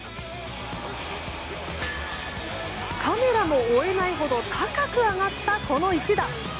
カメラも追えないほど高く上がった、この一打。